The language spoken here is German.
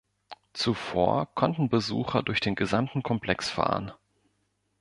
Zuvor konnten Besucher durch den gesamten Komplex fahren.